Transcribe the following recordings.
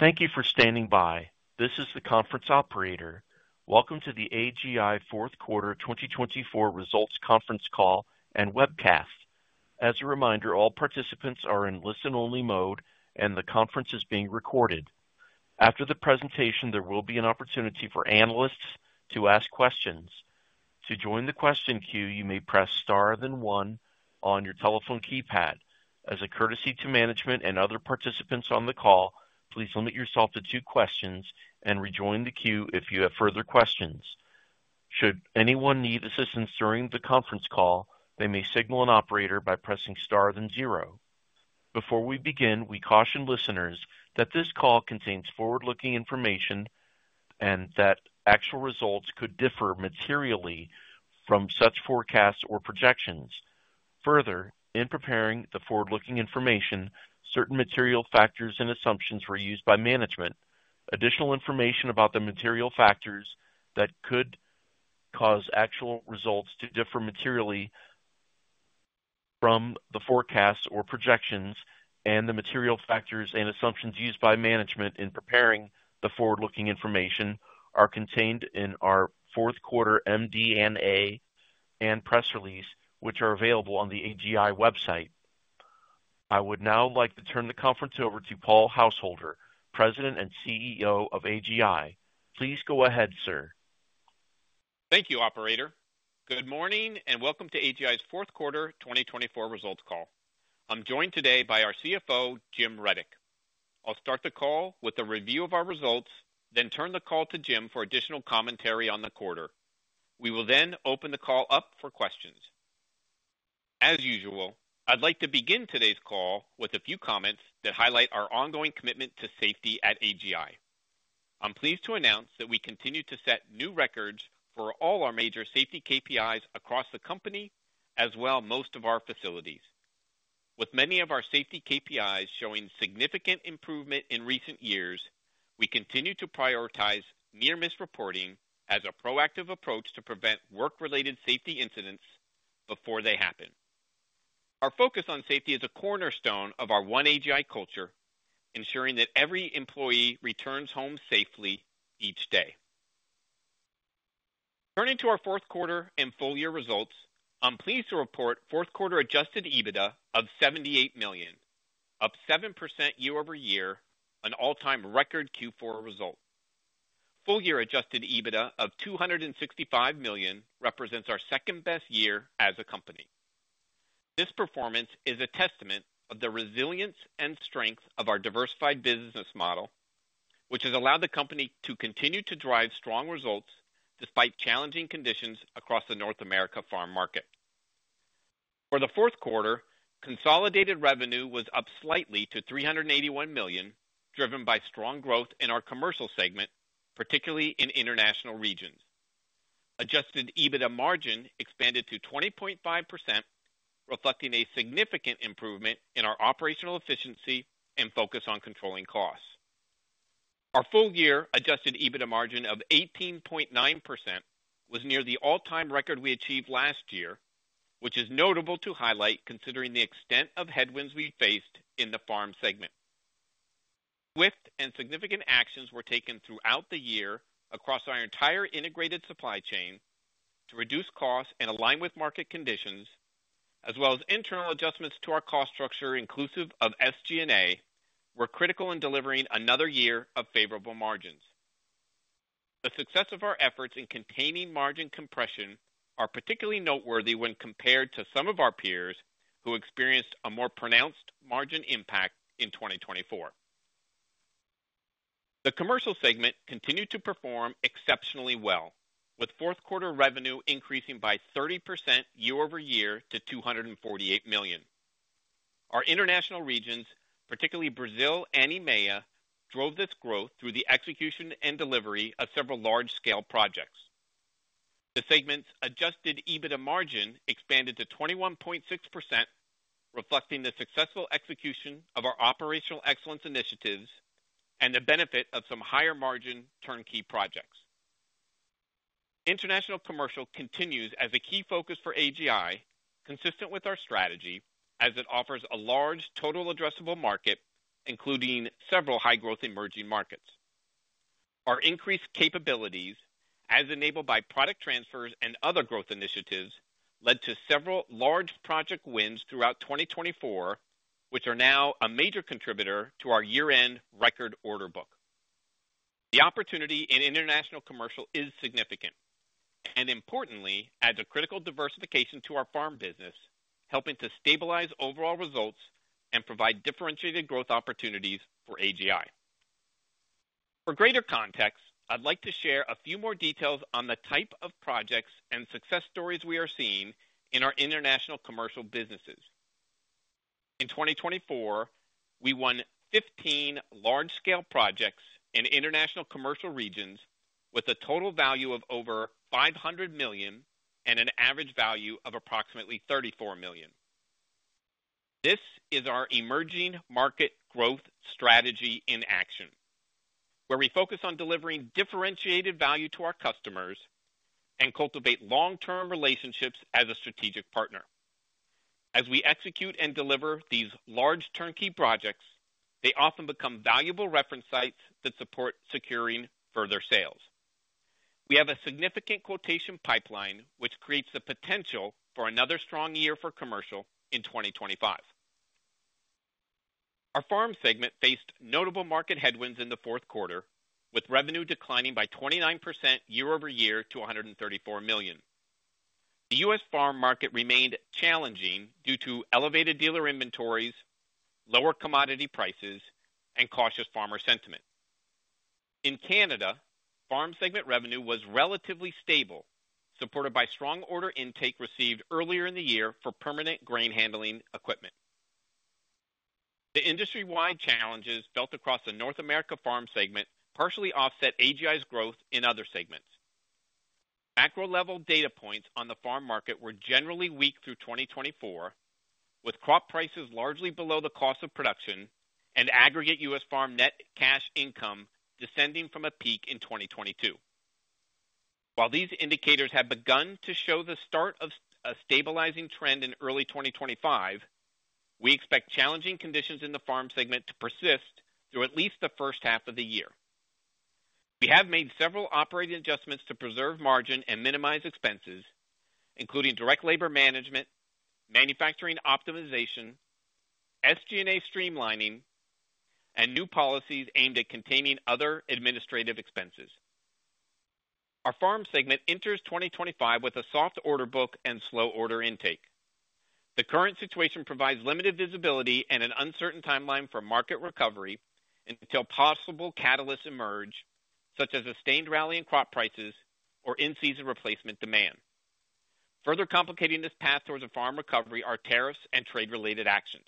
Thank you for standing by. This is the conference operator. Welcome to the AGI Q4 2024 results conference call and webcast. As a reminder, all participants are in listen-only mode, and the conference is being recorded. After the presentation, there will be an opportunity for analysts to ask questions. To join the question queue, you may press star then one on your telephone keypad. As a courtesy to management and other participants on the call, please limit yourself to two questions and rejoin the queue if you have further questions. Should anyone need assistance during the conference call, they may signal an operator by pressing star then zero. Before we begin, we caution listeners that this call contains forward-looking information and that actual results could differ materially from such forecasts or projections. Further, in preparing the forward-looking information, certain material factors and assumptions were used by management. Additional information about the material factors that could cause actual results to differ materially from the forecasts or projections and the material factors and assumptions used by management in preparing the forward-looking information are contained in our Q4 MD&A and press release, which are available on the AGI website. I would now like to turn the conference over to Paul Householder, President and CEO of AGI. Please go ahead, sir. Thank you, Operator. Good morning and welcome to AGI's Q4 2024 results call. I'm joined today by our CFO, Jim Rudyk. I'll start the call with a review of our results, then turn the call to Jim for additional commentary on the quarter. We will then open the call up for questions. As usual, I'd like to begin today's call with a few comments that highlight our ongoing commitment to safety at AGI. I'm pleased to announce that we continue to set new records for all our major safety KPIs across the company, as well as most of our facilities. With many of our safety KPIs showing significant improvement in recent years, we continue to prioritize near-miss reporting as a proactive approach to prevent work-related safety incidents before they happen. Our focus on safety is a cornerstone of our One AGI culture, ensuring that every employee returns home safely each day. Turning to our Q4 and full-year results, I'm pleased to report Q4 adjusted EBITDA of $78 million, up 7% year-over-year, an all-time record Q4 result. Full-year adjusted EBITDA of $265 million represents our second-best year as a company. This performance is a testament to the resilience and strength of our diversified business model, which has allowed the company to continue to drive strong results despite challenging conditions across the North America farm market. For the fourth quarter, consolidated revenue was up slightly to $381 million, driven by strong growth in our commercial segment, particularly in international regions. Adjusted EBITDA margin expanded to 20.5%, reflecting a significant improvement in our operational efficiency and focus on controlling costs. Our full-year adjusted EBITDA margin of 18.9% was near the all-time record we achieved last year, which is notable to highlight considering the extent of headwinds we faced in the farm segment. Swift and significant actions were taken throughout the year across our entire integrated supply chain to reduce costs and align with market conditions, as well as internal adjustments to our cost structure, inclusive of SG&A, were critical in delivering another year of favorable margins. The success of our efforts in containing margin compression is particularly noteworthy when compared to some of our peers who experienced a more pronounced margin impact in 2024. The commercial segment continued to perform exceptionally well, with Q4 revenue increasing by 30% year-over-year to $248 million. Our international regions, particularly Brazil and EMEA, drove this growth through the execution and delivery of several large-scale projects. The segment's adjusted EBITDA margin expanded to 21.6%, reflecting the successful execution of our operational excellence initiatives and the benefit of some higher-margin turnkey projects. International commercial continues as a key focus for AGI, consistent with our strategy, as it offers a large total addressable market, including several high-growth emerging markets. Our increased capabilities, as enabled by product transfers and other growth initiatives, led to several large project wins throughout 2024, which are now a major contributor to our year-end record order book. The opportunity in international commercial is significant and, importantly, adds a critical diversification to our farm business, helping to stabilize overall results and provide differentiated growth opportunities for AGI. For greater context, I'd like to share a few more details on the type of projects and success stories we are seeing in our international commercial businesses. In 2024, we won 15 large-scale projects in international commercial regions with a total value of over $500 million and an average value of approximately $34 million. This is our emerging market growth strategy in action, where we focus on delivering differentiated value to our customers and cultivate long-term relationships as a strategic partner. As we execute and deliver these large turnkey projects, they often become valuable reference sites that support securing further sales. We have a significant quotation pipeline, which creates the potential for another strong year for commercial in 2025. Our farm segment faced notable market headwinds in the fourth quarter, with revenue declining by 29% year-over-year to $134 million. The U.S. farm market remained challenging due to elevated dealer inventories, lower commodity prices, and cautious farmer sentiment. In Canada, farm segment revenue was relatively stable, supported by strong order intake received earlier in the year for permanent grain handling equipment. The industry-wide challenges felt across the North America farm segment partially offset AGI's growth in other segments. Macro-level data points on the farm market were generally weak through 2024, with crop prices largely below the cost of production and aggregate U.S. farm net cash income descending from a peak in 2022. While these indicators have begun to show the start of a stabilizing trend in early 2025, we expect challenging conditions in the farm segment to persist through at least the first half of the year. We have made several operating adjustments to preserve margin and minimize expenses, including direct labor management, manufacturing optimization, SG&A streamlining, and new policies aimed at containing other administrative expenses. Our farm segment enters 2025 with a soft order book and slow order intake. The current situation provides limited visibility and an uncertain timeline for market recovery until possible catalysts emerge, such as a sustained rally in crop prices or in-season replacement demand. Further complicating this path towards a farm recovery are tariffs and trade-related actions.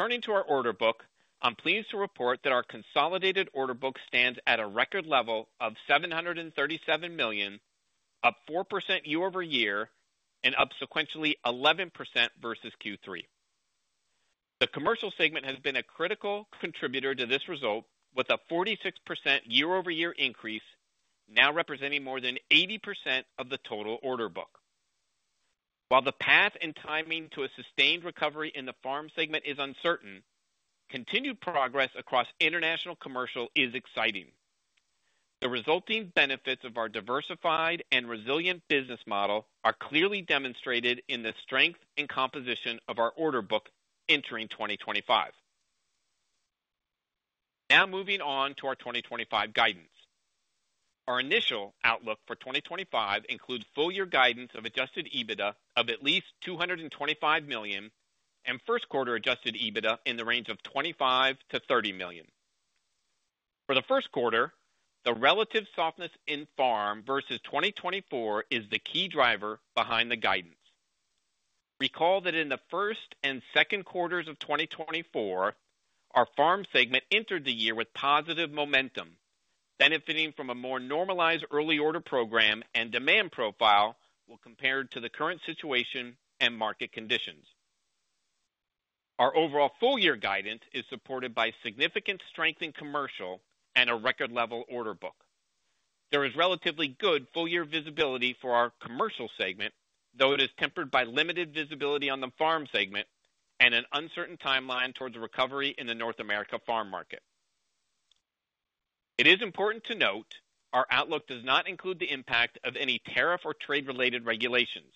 Turning to our order book, I'm pleased to report that our consolidated order book stands at a record level of $737 million, up 4% year-over-year and up sequentially 11% versus Q3. The commercial segment has been a critical contributor to this result, with a 46% year-over-year increase now representing more than 80% of the total order book. While the path and timing to a sustained recovery in the farm segment is uncertain, continued progress across international commercial is exciting. The resulting benefits of our diversified and resilient business model are clearly demonstrated in the strength and composition of our order book entering 2025. Now moving on to our 2025 guidance. Our initial outlook for 2025 includes full-year guidance of adjusted EBITDA of at least $225 million and Q1 adjusted EBITDA in the range of $25-$30 million. For the first quarter, the relative softness in farm versus 2024 is the key driver behind the guidance. Recall that in the first and second quarters of 2024, our farm segment entered the year with positive momentum, benefiting from a more normalized early order program and demand profile when compared to the current situation and market conditions. Our overall full-year guidance is supported by significant strength in commercial and a record-level order book. There is relatively good full-year visibility for our commercial segment, though it is tempered by limited visibility on the farm segment and an uncertain timeline towards recovery in the North America farm market. It is important to note our outlook does not include the impact of any tariff or trade-related regulations.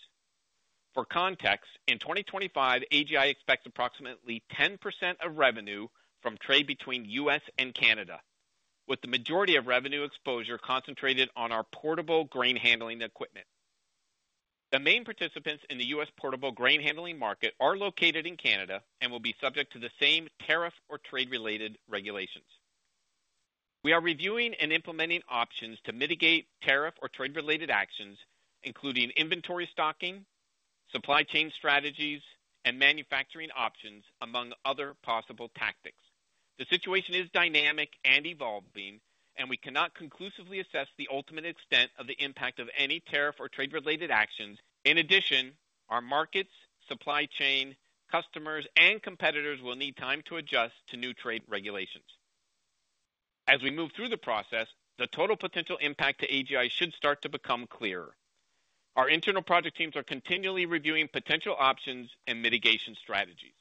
For context, in 2025, AGI expects approximately 10% of revenue from trade between the U.S. and Canada, with the majority of revenue exposure concentrated on our portable grain handling equipment. The main participants in the U.S. portable grain handling market are located in Canada and will be subject to the same tariff or trade-related regulations. We are reviewing and implementing options to mitigate tariff or trade-related actions, including inventory stocking, supply chain strategies, and manufacturing options, among other possible tactics. The situation is dynamic and evolving, and we cannot conclusively assess the ultimate extent of the impact of any tariff or trade-related actions. In addition, our markets, supply chain, customers, and competitors will need time to adjust to new trade regulations. As we move through the process, the total potential impact to AGI should start to become clearer. Our internal project teams are continually reviewing potential options and mitigation strategies.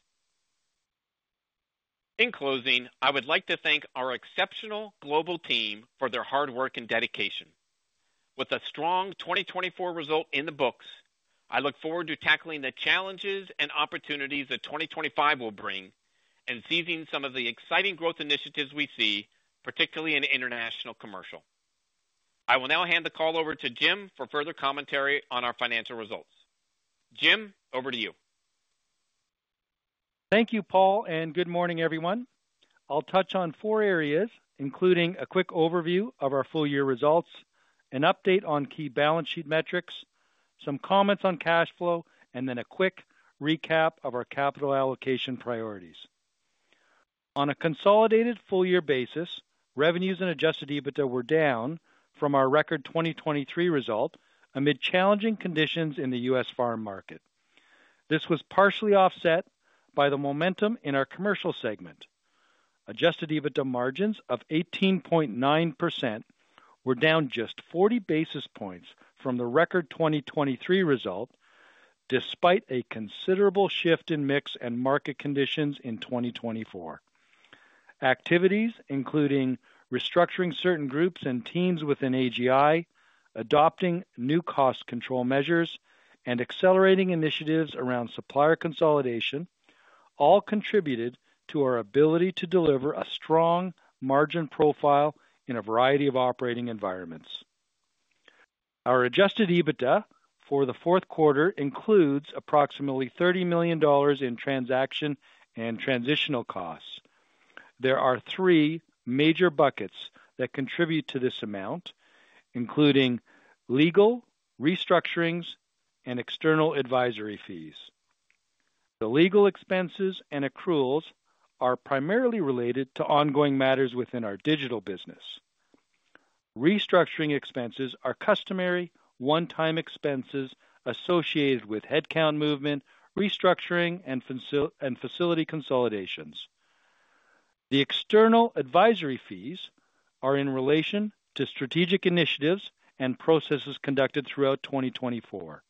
In closing, I would like to thank our exceptional global team for their hard work and dedication. With a strong 2024 result in the books, I look forward to tackling the challenges and opportunities that 2025 will bring and seizing some of the exciting growth initiatives we see, particularly in international commercial. I will now hand the call over to Jim for further commentary on our financial results. Jim, over to you. Thank you, Paul, and good morning, everyone. I'll touch on four areas, including a quick overview of our full-year results, an update on key balance sheet metrics, some comments on cash flow, and then a quick recap of our capital allocation priorities. On a consolidated full-year basis, revenues and adjusted EBITDA were down from our record 2023 result amid challenging conditions in the U.S. farm market. This was partially offset by the momentum in our commercial segment. Adjusted EBITDA margins of 18.9% were down just 40 basis points from the record 2023 result, despite a considerable shift in mix and market conditions in 2024. Activities, including restructuring certain groups and teams within AGI, adopting new cost control measures, and accelerating initiatives around supplier consolidation, all contributed to our ability to deliver a strong margin profile in a variety of operating environments. Our adjusted EBITDA for the fourth quarter includes approximately $30 million in transaction and transitional costs. There are three major buckets that contribute to this amount, including legal, restructurings, and external advisory fees. The legal expenses and accruals are primarily related to ongoing matters within our digital business. Restructuring expenses are customary one-time expenses associated with headcount movement, restructuring, and facility consolidations. The external advisory fees are in relation to strategic initiatives and processes conducted throughout 2024.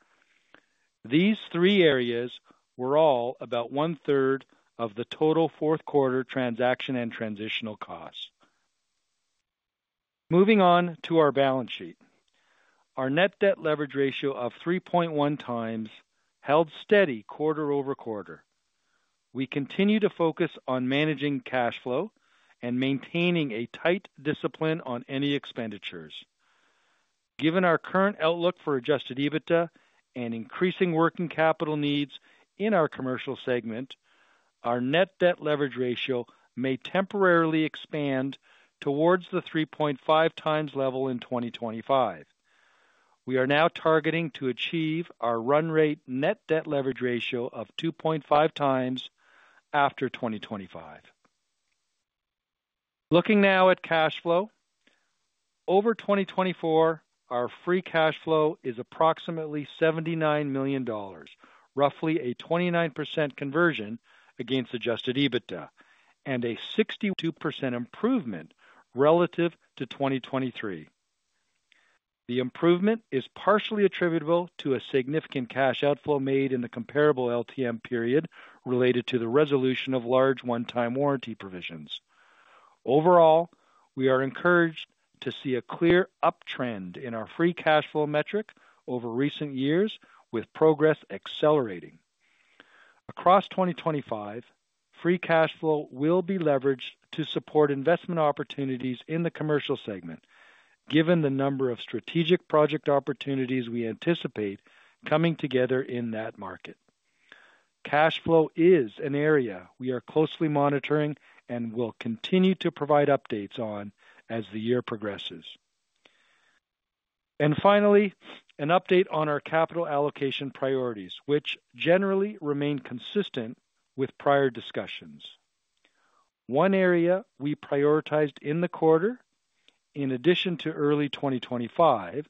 These three areas were all about one-third of the total fourth quarter transaction and transitional costs. Moving on to our balance sheet, our net debt leverage ratio of 3.1 times held steady quarter over quarter. We continue to focus on managing cash flow and maintaining a tight discipline on any expenditures. Given our current outlook for adjusted EBITDA and increasing working capital needs in our commercial segment, our net debt leverage ratio may temporarily expand towards the 3.5 times level in 2025. We are now targeting to achieve our run rate net debt leverage ratio of 2.5 times after 2025. Looking now at cash flow, over 2024, our free cash flow is approximately $79 million, roughly a 29% conversion against adjusted EBITDA, and a 61.2% improvement relative to 2023. The improvement is partially attributable to a significant cash outflow made in the comparable LTM period related to the resolution of large one-time warranty provisions. Overall, we are encouraged to see a clear uptrend in our free cash flow metric over recent years, with progress accelerating. Across 2025, free cash flow will be leveraged to support investment opportunities in the commercial segment, given the number of strategic project opportunities we anticipate coming together in that market. Cash flow is an area we are closely monitoring and will continue to provide updates on as the year progresses. Finally, an update on our capital allocation priorities, which generally remain consistent with prior discussions. One area we prioritized in the quarter, in addition to early 2025,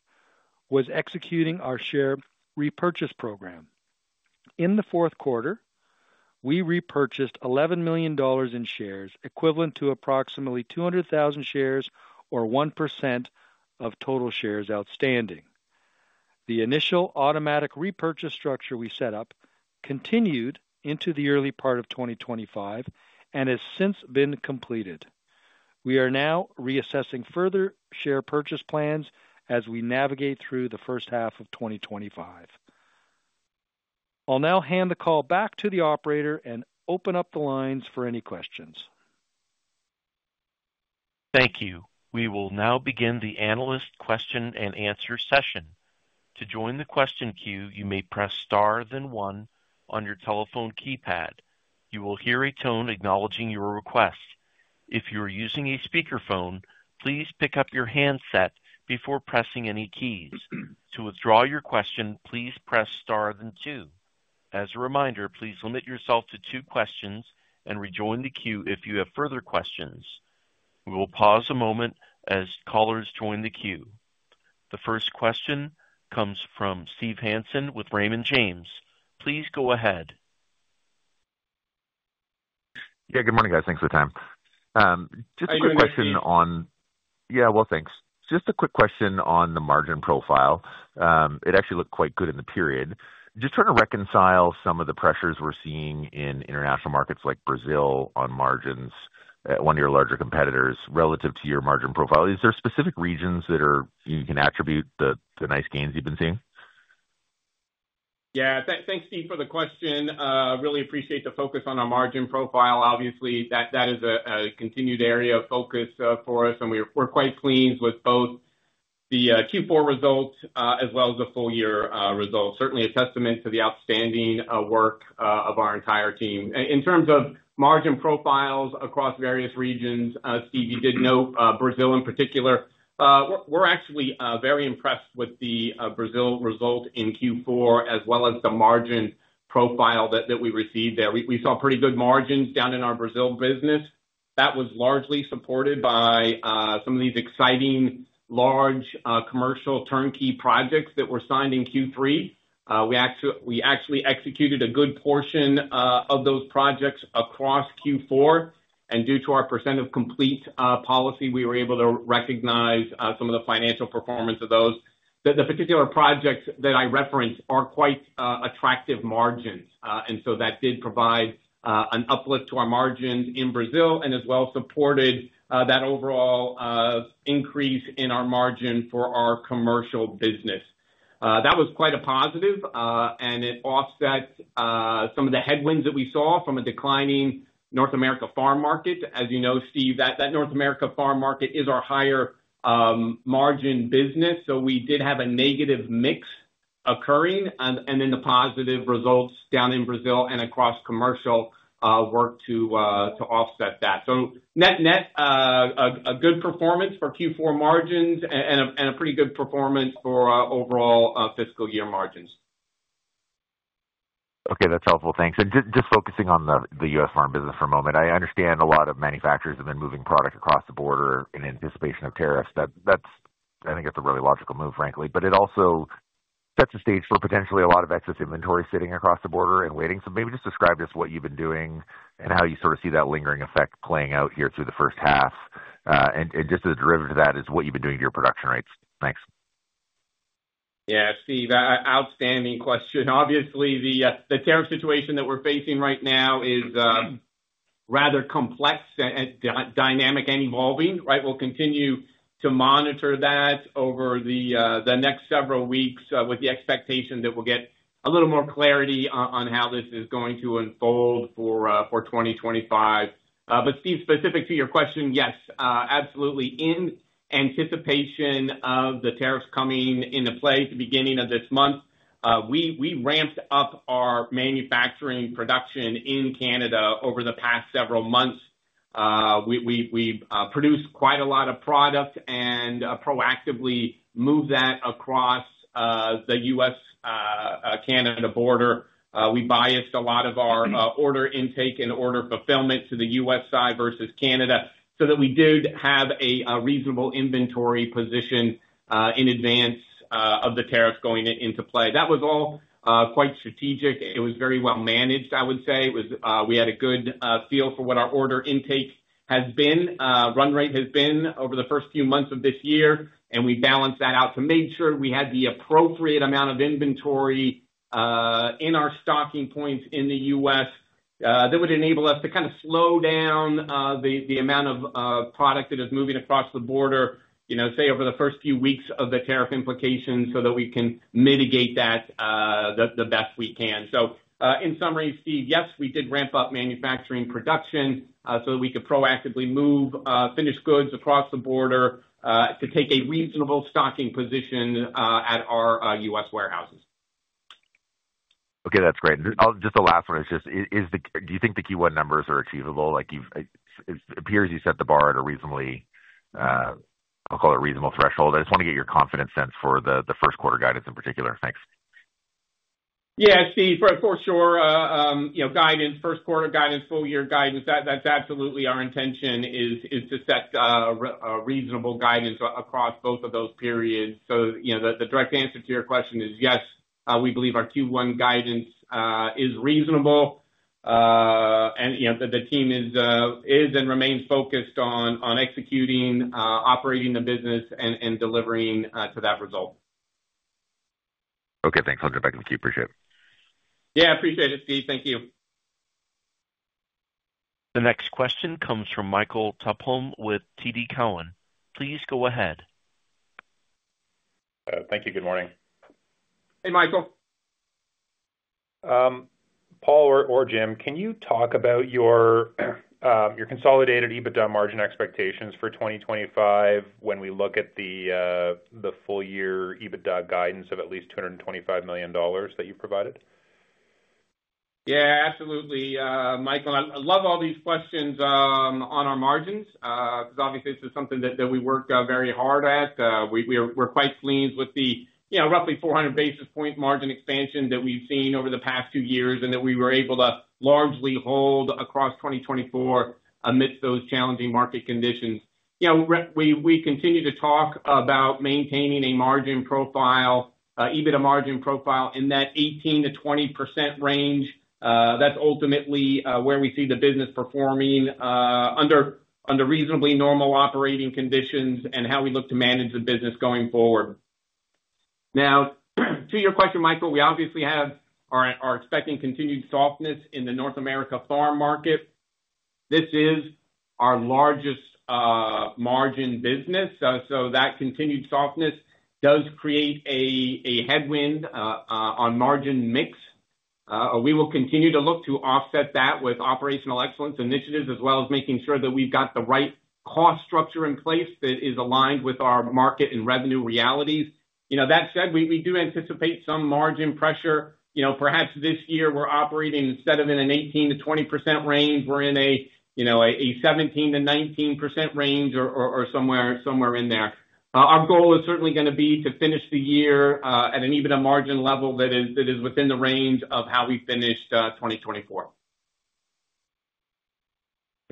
was executing our share repurchase program. In the fourth quarter, we repurchased $11 million in shares, equivalent to approximately 200,000 shares or 1% of total shares outstanding. The initial automatic repurchase structure we set up continued into the early part of 2025 and has since been completed. We are now reassessing further share purchase plans as we navigate through the first half of 2025. I'll now hand the call back to the operator and open up the lines for any questions. Thank you. We will now begin the analyst question and answer session. To join the question queue, you may press star then one on your telephone keypad. You will hear a tone acknowledging your request. If you are using a speakerphone, please pick up your handset before pressing any keys. To withdraw your question, please press star then two. As a reminder, please limit yourself to two questions and rejoin the queue if you have further questions. We will pause a moment as callers join the queue. The first question comes from Steve Hansen with Raymond James. Please go ahead. Yeah, good morning, guys. Thanks for the time. Just a quick question on. Hi, Steven. Yeah, well, thanks. Just a quick question on the margin profile. It actually looked quite good in the period. Just trying to reconcile some of the pressures we're seeing in international markets like Brazil on margins at one of your larger competitors relative to your margin profile. Is there specific regions that you can attribute the nice gains you've been seeing? Yeah, thanks, Steve, for the question. Really appreciate the focus on our margin profile. Obviously, that is a continued area of focus for us, and we're quite pleased with both the Q4 result as well as the full-year result. Certainly, a testament to the outstanding work of our entire team. In terms of margin profiles across various regions, Steve, you did note Brazil in particular. We're actually very impressed with the Brazil result in Q4 as well as the margin profile that we received there. We saw pretty good margins down in our Brazil business. That was largely supported by some of these exciting large commercial turnkey projects that were signed in Q3. We actually executed a good portion of those projects across Q4, and due to our percent of complete policy, we were able to recognize some of the financial performance of those. The particular projects that I referenced are quite attractive margins, and so that did provide an uplift to our margins in Brazil and as well supported that overall increase in our margin for our commercial business. That was quite a positive, and it offset some of the headwinds that we saw from a declining North America farm market. As you know, Steve, that North America farm market is our higher margin business, so we did have a negative mix occurring, and then the positive results down in Brazil and across commercial work to offset that. Net a good performance for Q4 margins and a pretty good performance for overall fiscal year margins. Okay, that's helpful. Thanks. Just focusing on the U.S. farm business for a moment, I understand a lot of manufacturers have been moving product across the border in anticipation of tariffs. I think that's a really logical move, frankly, but it also sets the stage for potentially a lot of excess inventory sitting across the border and waiting. Maybe just describe just what you've been doing and how you sort of see that lingering effect playing out here through the first half. Just to derive to that is what you've been doing to your production rates. Thanks. Yeah, Steve, outstanding question. Obviously, the tariff situation that we're facing right now is rather complex, dynamic, and evolving. We'll continue to monitor that over the next several weeks with the expectation that we'll get a little more clarity on how this is going to unfold for 2025. Steve, specific to your question, yes, absolutely. In anticipation of the tariffs coming into play at the beginning of this month, we ramped up our manufacturing production in Canada over the past several months. We produced quite a lot of product and proactively moved that across the U.S.-Canada border. We biased a lot of our order intake and order fulfillment to the U.S. side versus Canada so that we did have a reasonable inventory position in advance of the tariffs going into play. That was all quite strategic. It was very well managed, I would say. We had a good feel for what our order intake has been, run rate has been over the first few months of this year, and we balanced that out to make sure we had the appropriate amount of inventory in our stocking points in the U.S. that would enable us to kind of slow down the amount of product that is moving across the border, say, over the first few weeks of the tariff implications so that we can mitigate that the best we can. In summary, Steve, yes, we did ramp up manufacturing production so that we could proactively move finished goods across the border to take a reasonable stocking position at our U.S. warehouses. Okay, that's great. Just the last one is just, do you think the Q1 numbers are achievable? It appears you set the bar at a reasonably, I'll call it reasonable threshold. I just want to get your confidence sense for the first quarter guidance in particular. Thanks. Yeah, Steve, for sure. Guidance, first quarter guidance, full-year guidance, that's absolutely our intention is to set a reasonable guidance across both of those periods. The direct answer to your question is yes, we believe our Q1 guidance is reasonable, and the team is and remains focused on executing, operating the business, and delivering to that result. Okay, thanks. I'll jump back in the queue. Appreciate it. Yeah, appreciate it, Steve. Thank you. The next question comes from Michael Tupholme with TD Cowen. Please go ahead. Thank you. Good morning. Hey, Michael. Paul or Jim, can you talk about your consolidated EBITDA margin expectations for 2025 when we look at the full-year EBITDA guidance of at least $225 million that you've provided? Yeah, absolutely, Michael. I love all these questions on our margins because obviously this is something that we work very hard at. We're quite pleased with the roughly 400 basis point margin expansion that we've seen over the past two years and that we were able to largely hold across 2024 amidst those challenging market conditions. We continue to talk about maintaining a margin profile, EBITDA margin profile in that 18-20% range. That's ultimately where we see the business performing under reasonably normal operating conditions and how we look to manage the business going forward. Now, to your question, Michael, we obviously are expecting continued softness in the North America farm market. This is our largest margin business, so that continued softness does create a headwind on margin mix. We will continue to look to offset that with operational excellence initiatives as well as making sure that we've got the right cost structure in place that is aligned with our market and revenue realities. That said, we do anticipate some margin pressure. Perhaps this year we're operating instead of in an 18-20% range, we're in a 17-19% range or somewhere in there. Our goal is certainly going to be to finish the year at an EBITDA margin level that is within the range of how we finished 2024.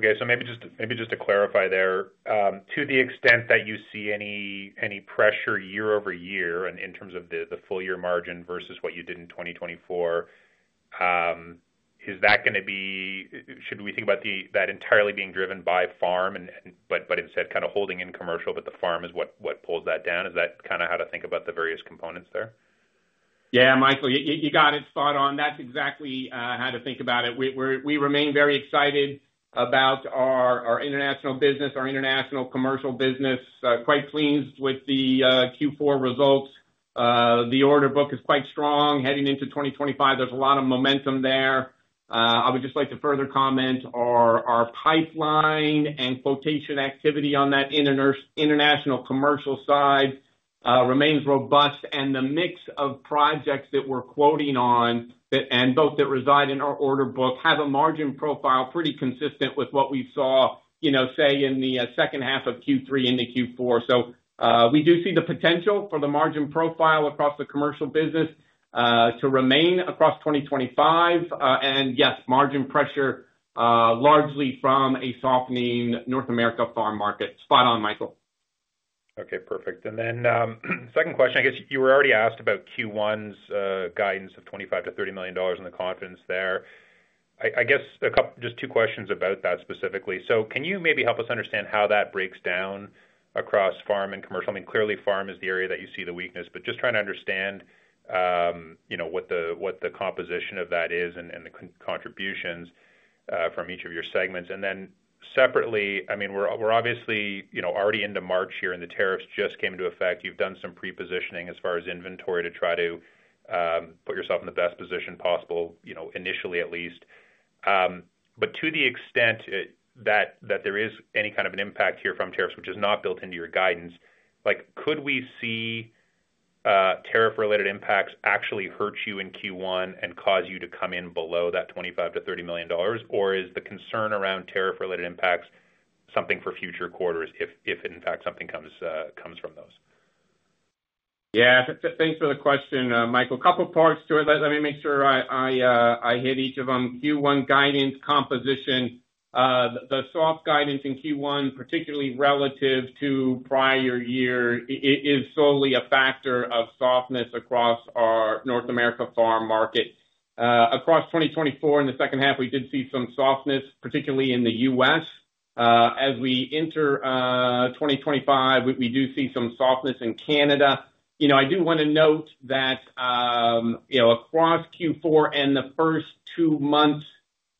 Okay, so maybe just to clarify there, to the extent that you see any pressure year over year in terms of the full-year margin versus what you did in 2024, is that going to be should we think about that entirely being driven by farm but instead kind of holding in commercial, but the farm is what pulls that down? Is that kind of how to think about the various components there? Yeah, Michael, you got it spot on. That's exactly how to think about it. We remain very excited about our international business, our international commercial business. Quite pleased with the Q4 results. The order book is quite strong. Heading into 2025, there's a lot of momentum there. I would just like to further comment our pipeline and quotation activity on that international commercial side remains robust, and the mix of projects that we're quoting on and both that reside in our order book have a margin profile pretty consistent with what we saw, say, in the second half of Q3 into Q4. We do see the potential for the margin profile across the commercial business to remain across 2025. Yes, margin pressure largely from a softening North America farm market. Spot on, Michael. Okay, perfect. Then second question, I guess you were already asked about Q1's guidance of $25-$30 million and the confidence there. I guess just two questions about that specifically. Can you maybe help us understand how that breaks down across farm and commercial? I mean, clearly, farm is the area that you see the weakness, but just trying to understand what the composition of that is and the contributions from each of your segments. Then separately, I mean, we're obviously already into March here and the tariffs just came into effect. You've done some pre-positioning as far as inventory to try to put yourself in the best position possible initially, at least. To the extent that there is any kind of an impact here from tariffs, which is not built into your guidance, could we see tariff-related impacts actually hurt you in Q1 and cause you to come in below that $25-$30 million? Or is the concern around tariff-related impacts something for future quarters if, in fact, something comes from those? Yeah, thanks for the question, Michael. A couple of parts to it. Let me make sure I hit each of them. Q1 guidance composition, the soft guidance in Q1, particularly relative to prior year, is solely a factor of softness across our North America farm market. Across 2024, in the second half, we did see some softness, particularly in the U.S. As we enter 2025, we do see some softness in Canada. I do want to note that across Q4 and the first two months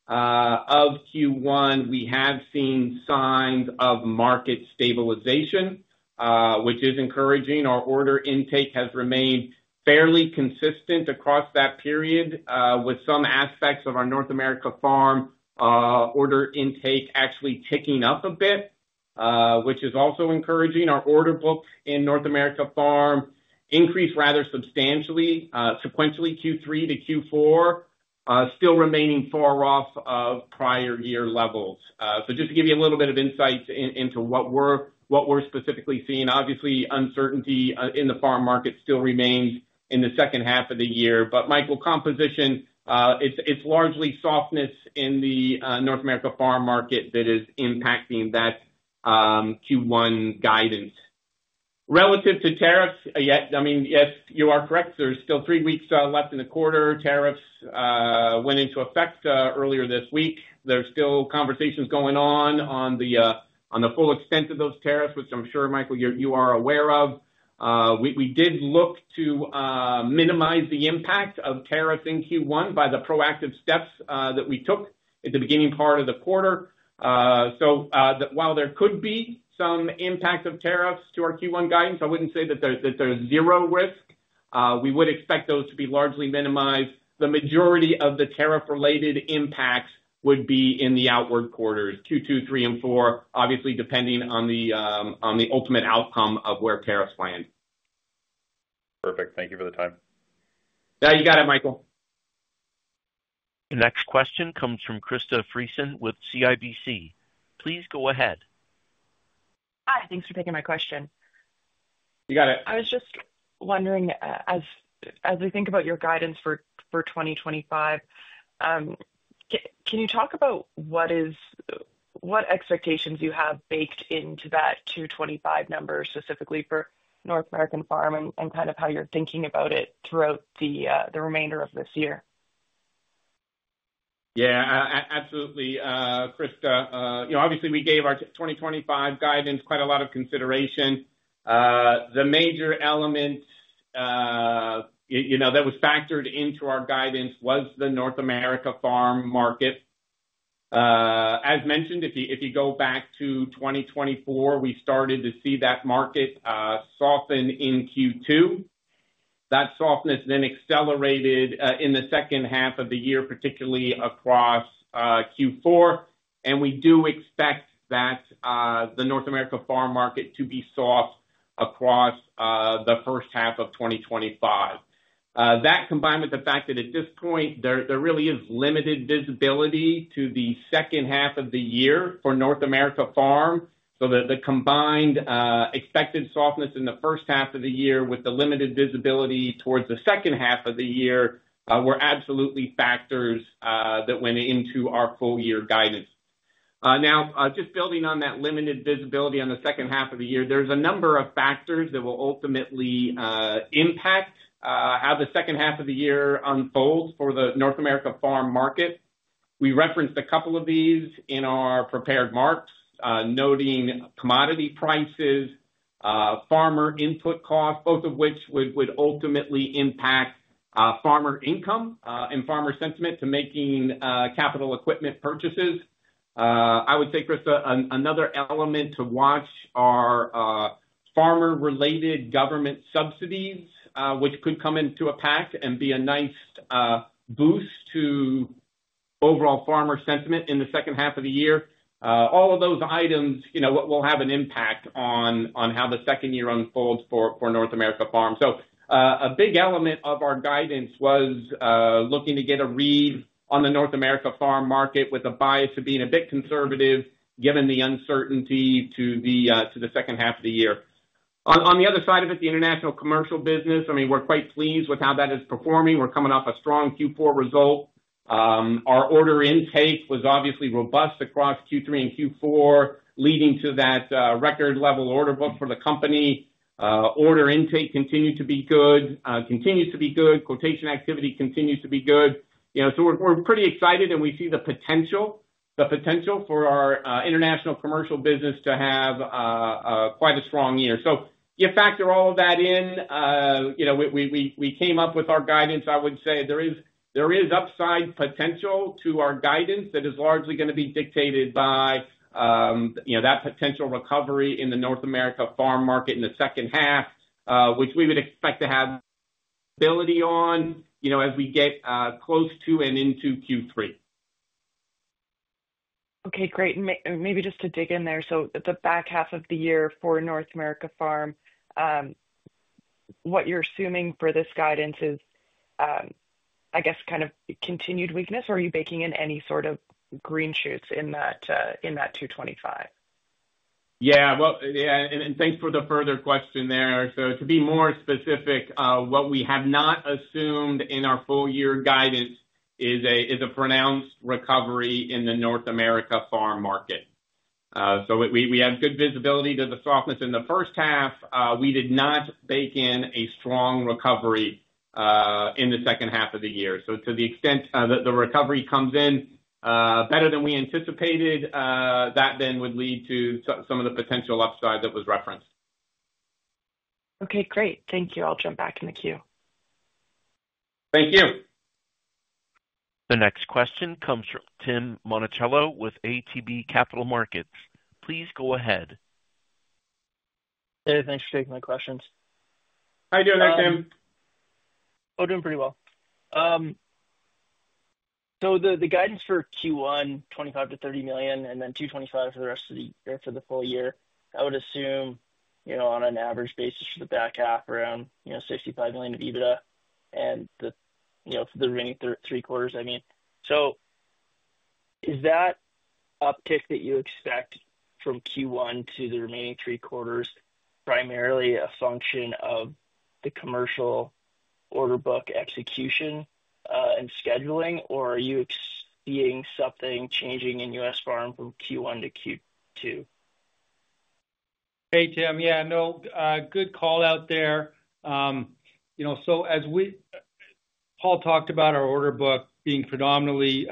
of Q1, we have seen signs of market stabilization, which is encouraging. Our order intake has remained fairly consistent across that period, with some aspects of our North America farm order intake actually ticking up a bit, which is also encouraging. Our order book in North America farm increased rather substantially, sequentially Q3 to Q4, still remaining far off of prior year levels. Just to give you a little bit of insight into what we're specifically seeing. Obviously, uncertainty in the farm market still remains in the second half of the year. Michael, composition, it's largely softness in the North America farm market that is impacting that Q1 guidance. Relative to tariffs, I mean, yes, you are correct. There's still three weeks left in the quarter. Tariffs went into effect earlier this week. There's still conversations going on on the full extent of those tariffs, which I'm sure, Michael, you are aware of. We did look to minimize the impact of tariffs in Q1 by the proactive steps that we took at the beginning part of the quarter. While there could be some impact of tariffs to our Q1 guidance, I wouldn't say that there's zero risk. We would expect those to be largely minimized. The majority of the tariff-related impacts would be in the outward quarters: Q2, Q3, and Q4, obviously depending on the ultimate outcome of where tariffs land. Perfect. Thank you for the time. Now you got it, Michael. The next question comes from Krista Friesen with CIBC. Please go ahead. Hi, thanks for taking my question. You got it. I was just wondering, as we think about your guidance for 2025, can you talk about what expectations you have baked into that 225 number, specifically for North American farm, and kind of how you're thinking about it throughout the remainder of this year? Yeah, absolutely, Krista. Obviously, we gave our 2025 guidance quite a lot of consideration. The major element that was factored into our guidance was the North America farm market. As mentioned, if you go back to 2024, we started to see that market soften in Q2. That softness then accelerated in the second half of the year, particularly across Q4. We do expect that the North America farm market to be soft across the first half of 2025. That combined with the fact that at this point, there really is limited visibility to the second half of the year for North America farm. The combined expected softness in the first half of the year with the limited visibility towards the second half of the year were absolutely factors that went into our full-year guidance. Now, just building on that limited visibility on the second half of the year, there's a number of factors that will ultimately impact how the second half of the year unfolds for the North America farm market. We referenced a couple of these in our prepared marks, noting commodity prices, farmer input costs, both of which would ultimately impact farmer income and farmer sentiment to making capital equipment purchases. I would say, Krista, another element to watch are farmer-related government subsidies, which could come into a pack and be a nice boost to overall farmer sentiment in the second half of the year. All of those items will have an impact on how the second year unfolds for North America farm. A big element of our guidance was looking to get a read on the North America farm market with a bias of being a bit conservative given the uncertainty to the second half of the year. On the other side of it, the international commercial business, I mean, we're quite pleased with how that is performing. We're coming off a strong Q4 result. Our order intake was obviously robust across Q3 and Q4, leading to that record-level order book for the company. Order intake continued to be good, continues to be good. Quotation activity continues to be good. We're pretty excited, and we see the potential for our international commercial business to have quite a strong year. You factor all of that in, we came up with our guidance. I would say there is upside potential to our guidance that is largely going to be dictated by that potential recovery in the North America farm market in the second half, which we would expect to have stability on as we get close to and into Q3. Okay, great. Maybe just to dig in there, the back half of the year for North America farm, what you're assuming for this guidance is, I guess, kind of continued weakness, or are you baking in any sort of green shoots in that 225? Yeah, and thanks for the further question there. To be more specific, what we have not assumed in our full-year guidance is a pronounced recovery in the North America farm market. We have good visibility to the softness in the first half. We did not bake in a strong recovery in the second half of the year. To the extent that the recovery comes in better than we anticipated, that then would lead to some of the potential upside that was referenced. Okay, great. Thank you. I'll jump back in the queue. Thank you. The next question comes from Tim Monticello with ATB Capital Markets. Please go ahead. Hey, thanks for taking my questions. How are you doing there, Tim? Oh, doing pretty well. The guidance for Q1, $25 million-$30 million, and then $225 million for the rest of the year, for the full year, I would assume on an average basis for the back half, around $65 million of EBITDA and for the remaining three quarters, I mean. Is that uptick that you expect from Q1 to the remaining three quarters primarily a function of the commercial order book execution and scheduling, or are you seeing something changing in U.S. farm from Q1 to Q2? Hey, Tim. Yeah, no, good call out there. As Paul talked about, our order book being predominantly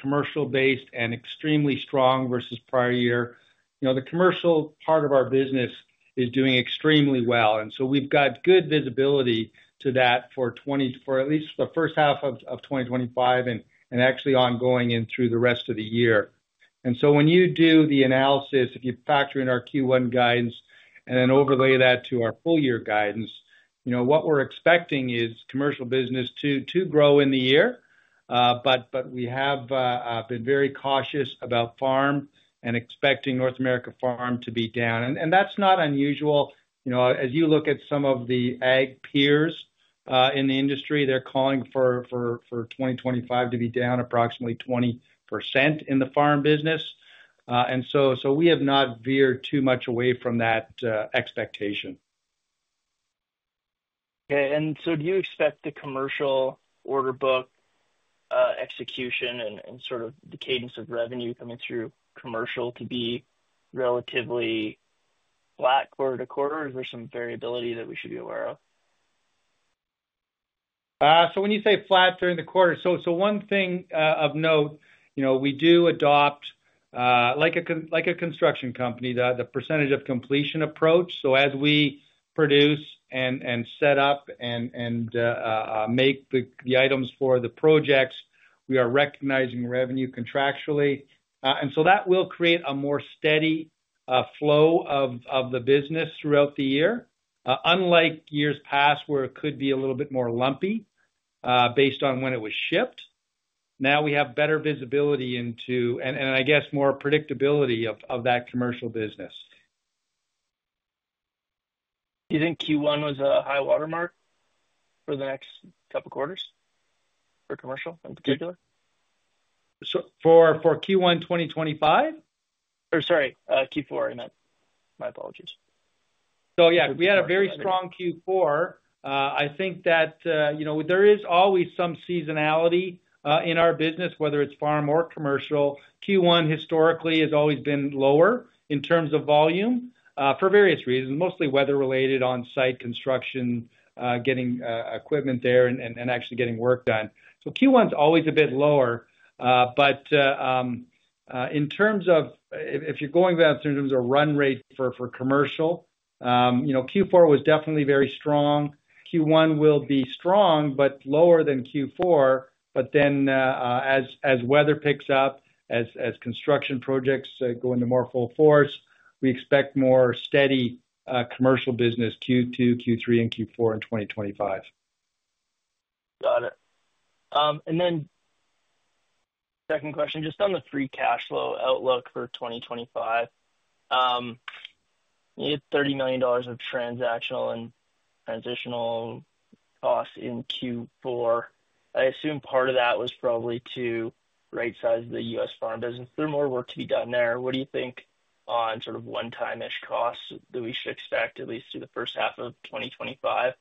commercial-based and extremely strong versus prior year, the commercial part of our business is doing extremely well. We have good visibility to that for at least the first half of 2025 and actually ongoing through the rest of the year. When you do the analysis, if you factor in our Q1 guidance and then overlay that to our full-year guidance, what we're expecting is commercial business to grow in the year. We have been very cautious about farm and expecting North America farm to be down. That's not unusual. As you look at some of the ag peers in the industry, they're calling for 2025 to be down approximately 20% in the farm business. We have not veered too much away from that expectation. Okay. Do you expect the commercial order book execution and sort of the cadence of revenue coming through commercial to be relatively flat quarter to quarter? Is there some variability that we should be aware of? When you say flat during the quarter, one thing of note, we do adopt, like a construction company, the percentage of completion approach. As we produce and set up and make the items for the projects, we are recognizing revenue contractually. That will create a more steady flow of the business throughout the year. Unlike years past, where it could be a little bit more lumpy based on when it was shipped, now we have better visibility into, and I guess, more predictability of that commercial business. Do you think Q1 was a high watermark for the next couple of quarters for commercial in particular? For Q1 2025? Or sorry, Q4, I meant. My apologies. Yeah, we had a very strong Q4. I think that there is always some seasonality in our business, whether it's farm or commercial. Q1 historically has always been lower in terms of volume for various reasons, mostly weather-related on-site construction, getting equipment there and actually getting work done. Q1 is always a bit lower. In terms of if you're going back in terms of run rate for commercial, Q4 was definitely very strong. Q1 will be strong, but lower than Q4. As weather picks up, as construction projects go into more full force, we expect more steady commercial business Q2, Q3, and Q4 in 2025. Got it. Then second question, just on the free cash flow outlook for 2025, you had $30 million of transactional and transitional costs in Q4. I assume part of that was probably to right-size the U.S. farm business. There's more work to be done there. What do you think on sort of one-time-ish costs that we should expect at least through the first half of 2025?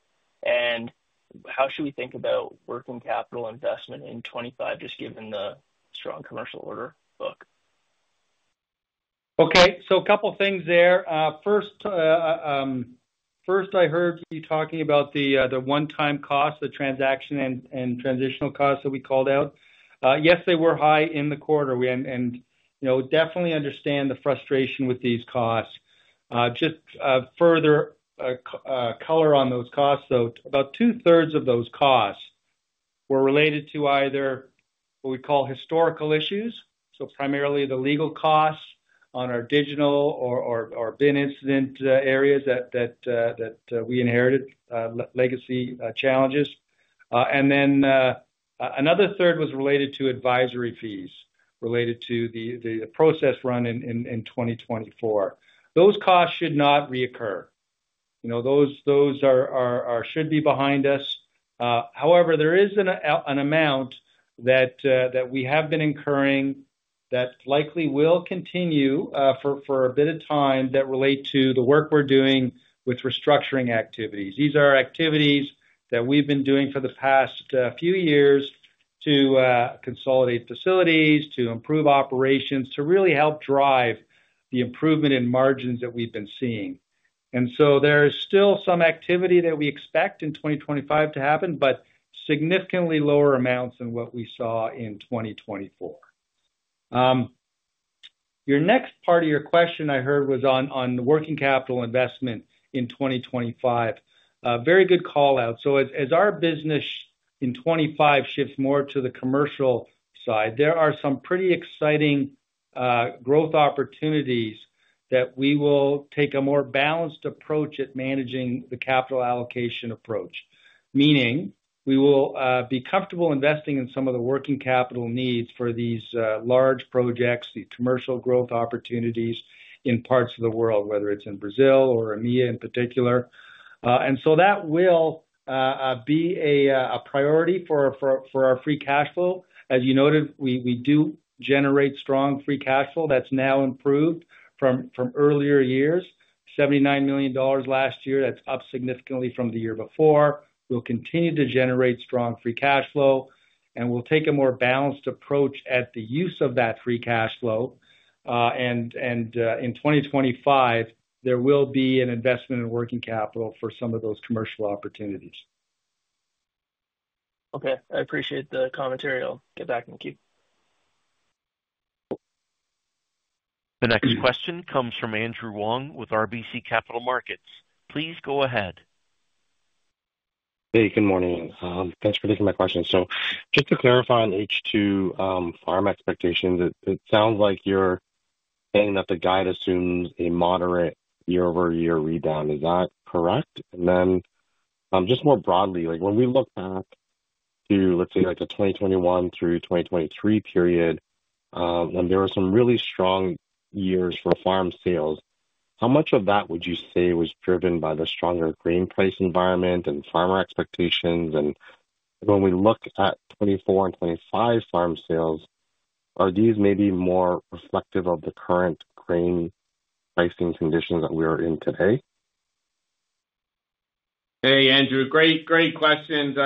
How should we think about working capital investment in 2025, just given the strong commercial order book? Okay. A couple of things there. First, I heard you talking about the one-time costs, the transaction and transitional costs that we called out. Yes, they were high in the quarter. I definitely understand the frustration with these costs. Just further color on those costs. About two-thirds of those costs were related to either what we call historical issues, so primarily the legal costs on our digital or BIN incident areas that we inherited, legacy challenges. Another third was related to advisory fees related to the process run in 2024. Those costs should not reoccur. Those should be behind us. However, there is an amount that we have been incurring that likely will continue for a bit of time that relates to the work we are doing with restructuring activities. These are activities that we've been doing for the past few years to consolidate facilities, to improve operations, to really help drive the improvement in margins that we've been seeing. There is still some activity that we expect in 2025 to happen, but significantly lower amounts than what we saw in 2024. Your next part of your question I heard was on working capital investment in 2025. Very good call out. As our business in 2025 shifts more to the commercial side, there are some pretty exciting growth opportunities that we will take a more balanced approach at managing the capital allocation approach, meaning we will be comfortable investing in some of the working capital needs for these large projects, the commercial growth opportunities in parts of the world, whether it's in Brazil or EMEA in particular. That will be a priority for our free cash flow. As you noted, we do generate strong free cash flow. That is now improved from earlier years, $79 million last year. That is up significantly from the year before. We will continue to generate strong free cash flow, and we will take a more balanced approach at the use of that free cash flow. In 2025, there will be an investment in working capital for some of those commercial opportunities. Okay. I appreciate the commentary. I'll get back in the queue. The next question comes from Andrew Wong with RBC Capital Markets. Please go ahead. Hey, good morning. Thanks for taking my question. Just to clarify on H2 farm expectations, it sounds like you're saying that the guide assumes a moderate year-over-year rebound. Is that correct? More broadly, when we look back to, let's say, the 2021 through 2023 period, when there were some really strong years for farm sales, how much of that would you say was driven by the stronger grain price environment and farmer expectations? When we look at 2024 and 2025 farm sales, are these maybe more reflective of the current grain pricing conditions that we are in today? Hey, Andrew. Great questions.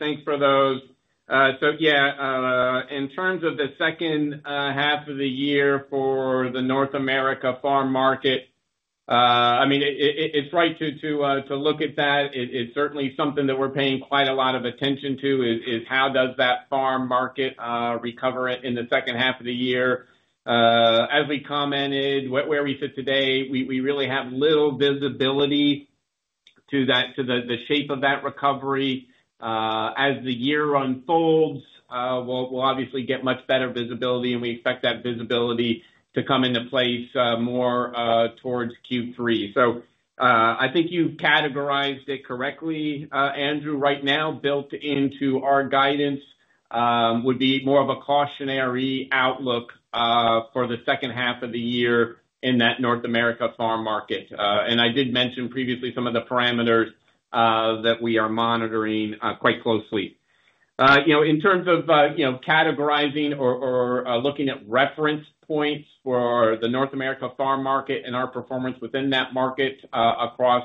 Thanks for those. In terms of the second half of the year for the North America farm market, I mean, it's right to look at that. It's certainly something that we're paying quite a lot of attention to is how does that farm market recover in the second half of the year. As we commented, where we sit today, we really have little visibility to the shape of that recovery. As the year unfolds, we'll obviously get much better visibility, and we expect that visibility to come into place more towards Q3. I think you've categorized it correctly, Andrew. Right now, built into our guidance would be more of a cautionary outlook for the second half of the year in that North America farm market. I did mention previously some of the parameters that we are monitoring quite closely. In terms of categorizing or looking at reference points for the North America farm market and our performance within that market across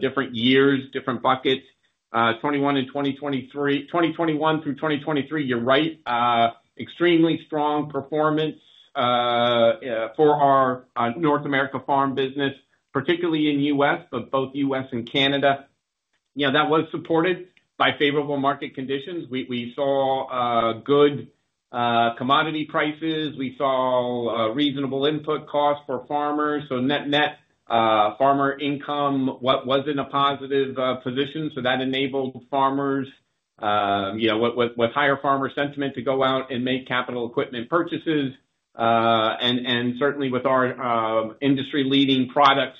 different years, different buckets, 2021 and 2021 through 2023, you're right, extremely strong performance for our North America farm business, particularly in the U.S., but both the U.S. and Canada. That was supported by favorable market conditions. We saw good commodity prices. We saw reasonable input costs for farmers. Net farmer income was in a positive position. That enabled farmers with higher farmer sentiment to go out and make capital equipment purchases. Certainly, with our industry-leading products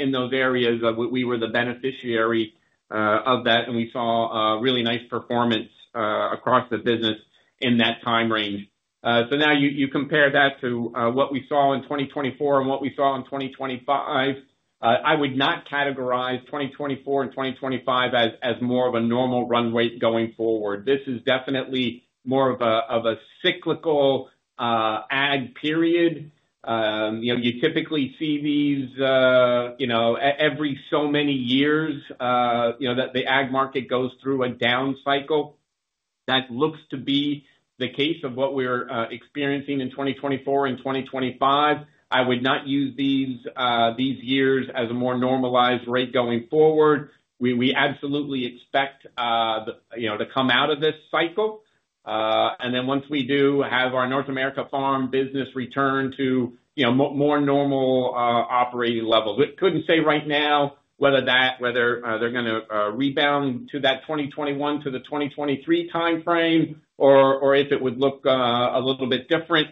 in those areas, we were the beneficiary of that, and we saw really nice performance across the business in that time range. You compare that to what we saw in 2024 and what we saw in 2025, I would not categorize 2024 and 2025 as more of a normal run rate going forward. This is definitely more of a cyclical ag period. You typically see these every so many years that the ag market goes through a down cycle. That looks to be the case of what we're experiencing in 2024 and 2025. I would not use these years as a more normalized rate going forward. We absolutely expect to come out of this cycle. Once we do have our North America farm business return to more normal operating levels, we could not say right now whether they are going to rebound to that 2021 to the 2023 timeframe or if it would look a little bit different.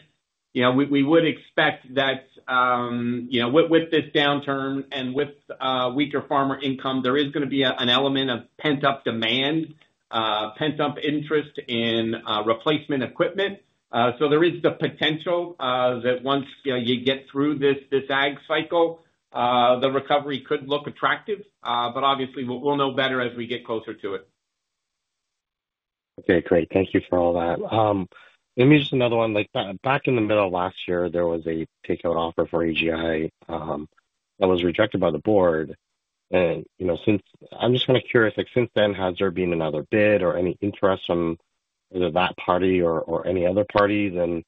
We would expect that with this downturn and with weaker farmer income, there is going to be an element of pent-up demand, pent-up interest in replacement equipment. There is the potential that once you get through this ag cycle, the recovery could look attractive. Obviously, we'll know better as we get closer to it. Okay. Great. Thank you for all that. Let me just ask another one. Back in the middle of last year, there was a takeout offer for AGI that was rejected by the board. I'm just kind of curious, since then, has there been another bid or any interest from either that party or any other party?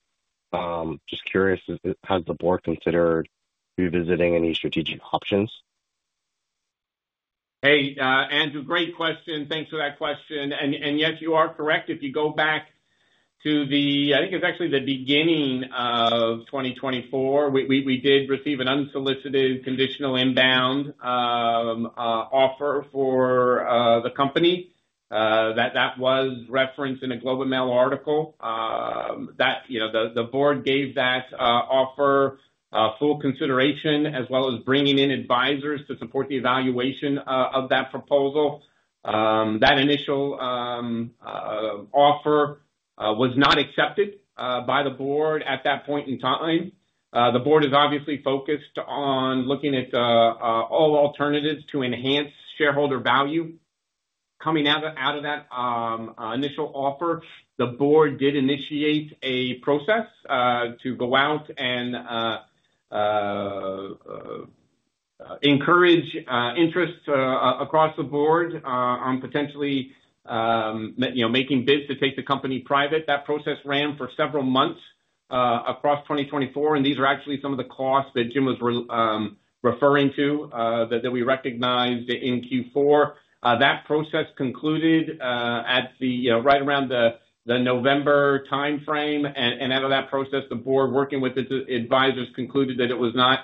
I'm just curious, has the board considered revisiting any strategic options? Hey, Andrew, great question. Thanks for that question. Yes, you are correct. If you go back to the, I think it's actually the beginning of 2024, we did receive an unsolicited conditional inbound offer for the company. That was referenced in a Globe and Mail article. The board gave that offer full consideration as well as bringing in advisors to support the evaluation of that proposal. That initial offer was not accepted by the board at that point in time. The board is obviously focused on looking at all alternatives to enhance shareholder value. Coming out of that initial offer, the board did initiate a process to go out and encourage interest across the board on potentially making bids to take the company private. That process ran for several months across 2024. These are actually some of the costs that Jim was referring to that we recognized in Q4. That process concluded right around the November timeframe. Out of that process, the board working with its advisors concluded that it was not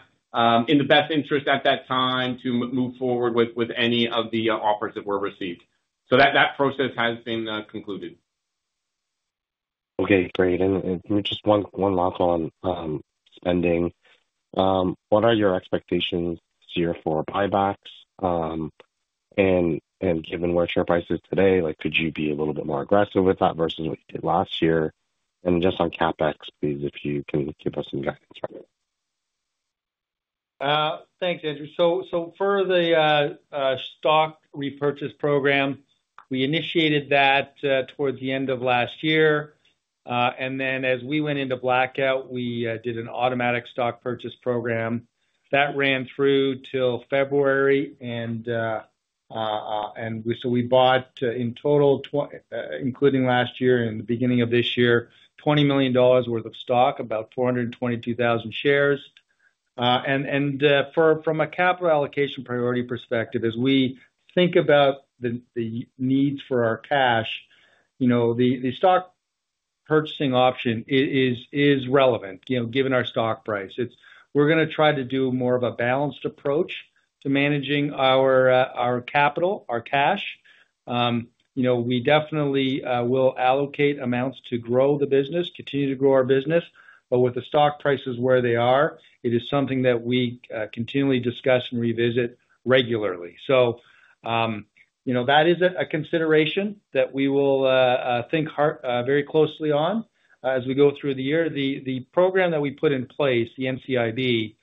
in the best interest at that time to move forward with any of the offers that were received. That process has been concluded. Okay. Great. Just one last one on spending. What are your expectations this year for buybacks? Given where share price is today, could you be a little bit more aggressive with that versus what you did last year? Just on CapEx, please, if you can give us some guidance. Thanks, Andrew. For the stock repurchase program, we initiated that towards the end of last year. As we went into blackout, we did an automatic stock purchase program that ran through till February. We bought in total, including last year and the beginning of this year, $20 million worth of stock, about 422,000 shares. From a capital allocation priority perspective, as we think about the needs for our cash, the stock purchasing option is relevant given our stock price. We are going to try to do more of a balanced approach to managing our capital, our cash. We definitely will allocate amounts to grow the business, continue to grow our business. With the stock prices where they are, it is something that we continually discuss and revisit regularly. That is a consideration that we will think very closely on as we go through the year. The program that we put in place, the NCIB,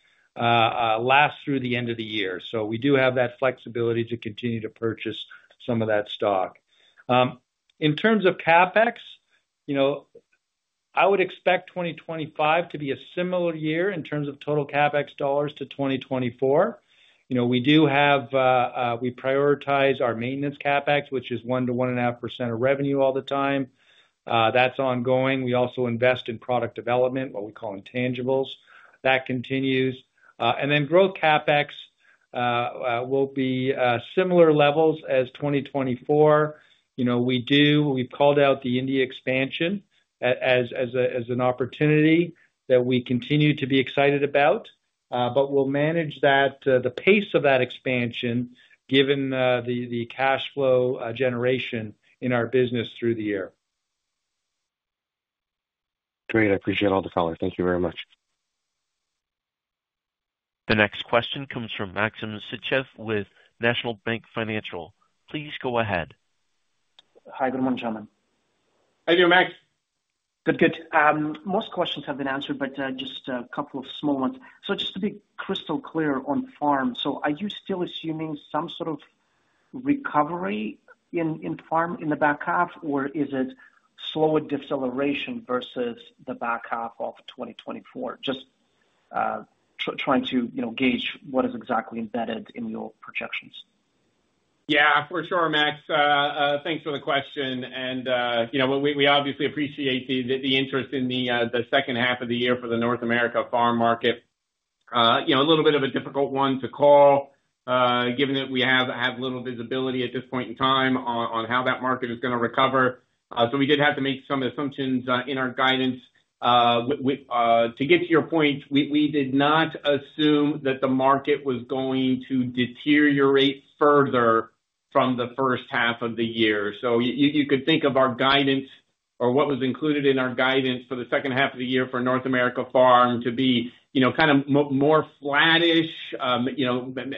lasts through the end of the year. We do have that flexibility to continue to purchase some of that stock. In terms of CapEx, I would expect 2025 to be a similar year in terms of total CapEx dollars to 2024. We prioritize our maintenance CapEx, which is 1-1.5% of revenue all the time. That's ongoing. We also invest in product development, what we call intangibles. That continues. Growth CapEx will be similar levels as 2024. We've called out the India expansion as an opportunity that we continue to be excited about, but we'll manage the pace of that expansion given the cash flow generation in our business through the year. Great. I appreciate all the comments. Thank you very much. The next question comes from Maxim Sytchev with National Bank Financial. Please go ahead. Hi. Good morning, gentlemen. Hey there, Max. Good, good. Most questions have been answered, but just a couple of small ones. Just to be crystal clear on farm, are you still assuming some sort of recovery in farm in the back half, or is it slower deceleration versus the back half of 2024? Just trying to gauge what is exactly embedded in your projections. Yeah, for sure, Max. Thanks for the question. We obviously appreciate the interest in the second half of the year for the North America farm market. A little bit of a difficult one to call given that we have little visibility at this point in time on how that market is going to recover. We did have to make some assumptions in our guidance. To get to your point, we did not assume that the market was going to deteriorate further from the first half of the year. You could think of our guidance or what was included in our guidance for the second half of the year for North America farm to be kind of more flattish,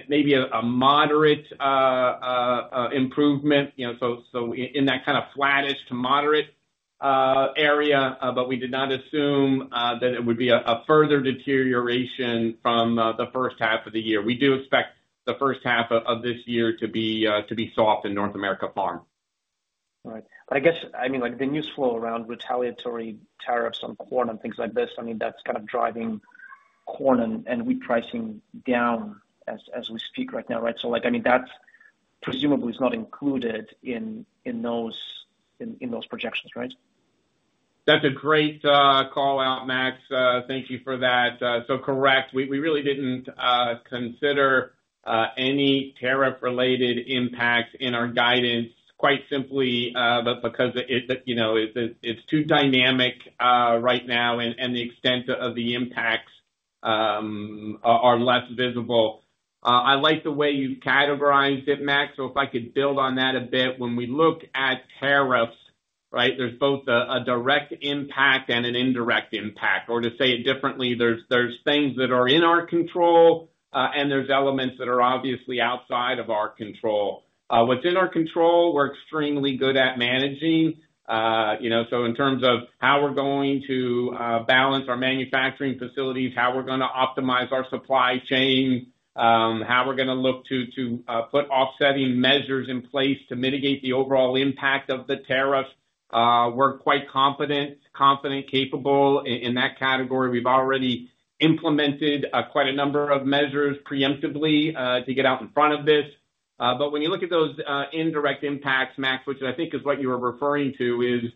maybe a moderate improvement. In that kind of flattish to moderate area, but we did not assume that it would be a further deterioration from the first half of the year. We do expect the first half of this year to be soft in North America farm. Right. I guess, I mean, the news flow around retaliatory tariffs on corn and things like this, I mean, that's kind of driving corn and wheat pricing down as we speak right now, right? I mean, that presumably is not included in those projections, right? That's a great call out, Max. Thank you for that. Correct. We really didn't consider any tariff-related impacts in our guidance, quite simply, because it's too dynamic right now, and the extent of the impacts are less visible. I like the way you've categorized it, Max. If I could build on that a bit, when we look at tariffs, right, there's both a direct impact and an indirect impact. To say it differently, there are things that are in our control, and there are elements that are obviously outside of our control. What's in our control, we're extremely good at managing. In terms of how we're going to balance our manufacturing facilities, how we're going to optimize our supply chain, how we're going to look to put offsetting measures in place to mitigate the overall impact of the tariffs, we're quite confident, capable in that category. We've already implemented quite a number of measures preemptively to get out in front of this. When you look at those indirect impacts, Max, which I think is what you were referring to, to